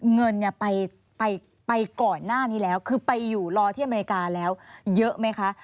เงินไปก่อนหน้านี้แล้วคือไปอยู่รอที่อเมริกาแล้วเยอะไหมคะ